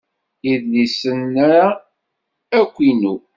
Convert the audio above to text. Idlisen-a akk inu.